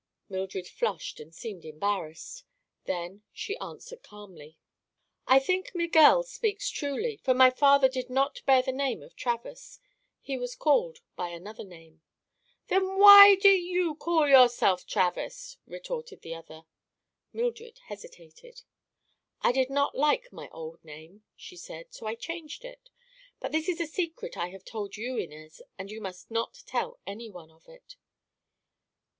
Mildred flushed and seemed embarrassed. Then she answered calmly: "I think Miguel speaks truly, for my father did not bear the name of Travers. He was called by another name." "Then why do you call yourself Travers?" retorted the other. Mildred hesitated. "I did not like my old name," she said, "and so I changed it. But this is a secret I have told you, Inez, and you must not tell anyone of it."